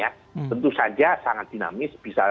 ya tentu saja sangat dinamis bisa